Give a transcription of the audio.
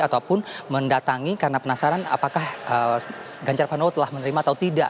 ataupun mendatangi karena penasaran apakah ganjar pranowo telah menerima atau tidak